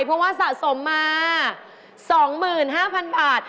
เพราะว่าสะสมมา๒๕๐๐๐บาท